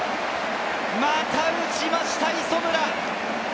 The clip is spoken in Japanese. また打ちました、磯村！